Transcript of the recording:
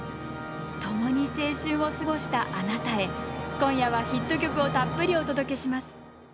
ともに青春を過ごしたあなたへ今夜はヒット曲をたっぷりお届けします。